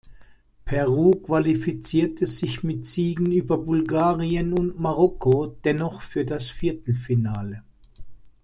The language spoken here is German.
Peru qualifizierte sich mit Siegen über Bulgarien und Marokko dennoch für das Viertelfinale.